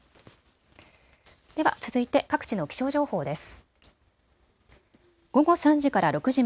では続いて各地の気象情報です。